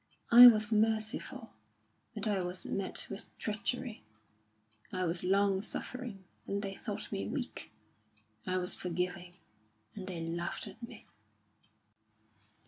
I was merciful, and I was met with treachery; I was long suffering, and they thought me weak; I was forgiving, and they laughed at me."